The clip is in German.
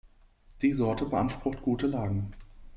Die Sorte beansprucht gute Lagen.